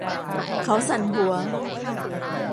เขาสั่นหัว